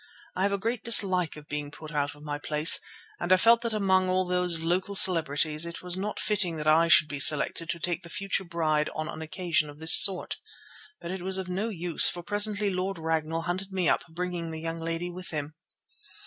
I have a great dislike of being put out of my place, and I felt that among all these local celebrities it was not fitting that I should be selected to take in the future bride on an occasion of this sort. But it was of no use, for presently Lord Ragnall hunted me up, bringing the young lady with him.